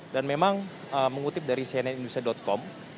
dan memang mengutip dari cnnindusia com